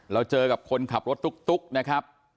เราเจอกับคนขับรถตุ๊กนะครับ